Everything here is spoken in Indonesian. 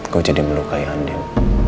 gue jadi melukai andien